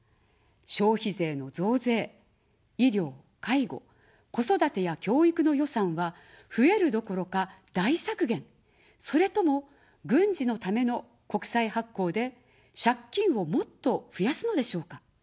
消費税の増税、医療、介護、子育てや教育の予算は増えるどころか、大削減、それとも、軍事のための国債発行で借金をもっと増やすのでしょうか。